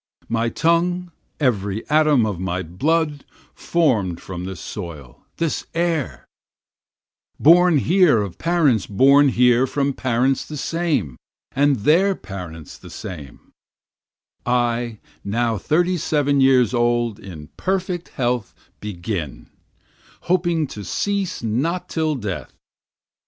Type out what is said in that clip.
My tongue, every atom of my blood, form'd from this soil, this air, Born here of parents born here from parents the same, and their parents the same, I, now thirty seven years old in perfect health begin, Hoping to cease not till death.